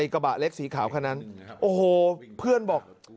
กระบะเล็กสีขาวคนนั้นโอ้โหเพื่อนบอก